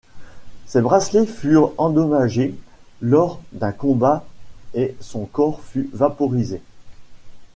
Ses bracelets furent endommagés lors d'un combat, et son corps fut vaporisé.